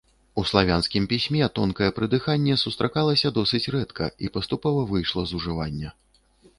У славянскім пісьме тонкае прыдыханне сустракалася досыць рэдка і паступова выйшла з ужывання.